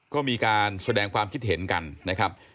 ก็มีการแสดงความคิดเห็นกันนะครับ